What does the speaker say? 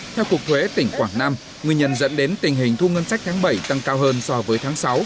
theo cục thuế tỉnh quảng nam nguyên nhân dẫn đến tình hình thu ngân sách tháng bảy tăng cao hơn so với tháng sáu